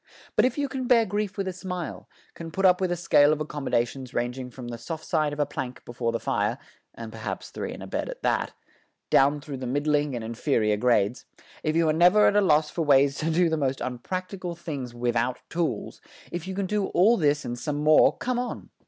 But if you can bear grief with a smile, can put up with a scale of accommodations ranging from the soft side of a plank before the fire (and perhaps three in a bed at that) down through the middling and inferior grades; if you are never at a loss for ways to do the most unpracticable things without tools; if you can do all this and some more come on.